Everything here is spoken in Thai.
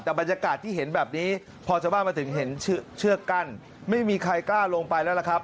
แต่บรรยากาศที่เห็นแบบนี้พอชาวบ้านมาถึงเห็นเชือกกั้นไม่มีใครกล้าลงไปแล้วล่ะครับ